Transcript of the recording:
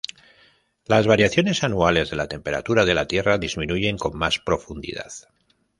Las variaciones anuales de la temperatura de la tierra disminuyen con más profundidad.